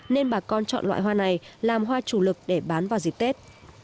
nên bà con chọn loại hoa này làm hoa chủ lực để bán vào dịp tết